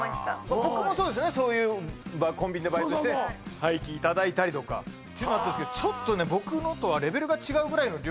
僕もそうですねそういうコンビニでバイトして廃棄いただいたりとかっていうのはあったんですけどちょっとねえっ？